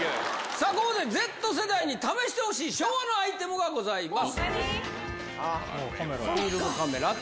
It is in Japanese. さあここで、Ｚ世代に試してほしい昭和のアイテムがございます。